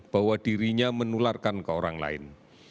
bahwa dirinya menularkan ke orang lain